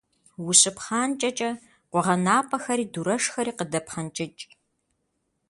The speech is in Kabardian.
Ущыпхъанкӏэкӏэ, къуэгъэнапӏэхэри дурэшхэри къыдэпхъэнкӏыкӏ.